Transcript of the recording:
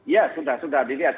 ya sudah sudah dilihat